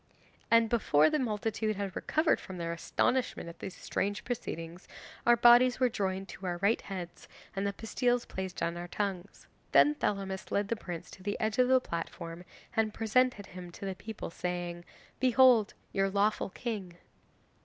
And before the multitude had recovered from their astonishment at these strange proceedings, our bodies were joined to our right heads, and the pastilles placed on our tongues. Then Thelamis led the prince to the edge of the platform and presented him to the people, saying, "Behold your lawful king."